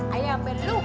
ayah ampe lupa